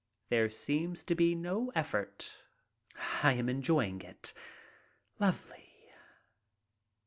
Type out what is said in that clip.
There seems to be no effort. I am enjoying it — lovely.